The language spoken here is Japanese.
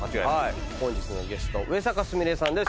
本日のゲスト上坂すみれさんです